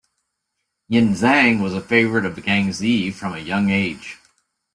Yinxiang was a favorite of Kangxi from a young age.